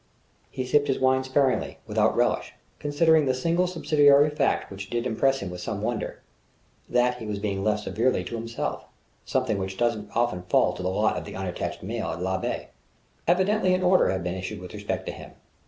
He sipped his wine sparingly, without relish, considering the single subsidiary fact which did impress him with some wonder that he was being left severely to himself; something which doesn't often fall to the lot of the unattached male at L'Abbaye. Evidently an order had been issued with respect to him.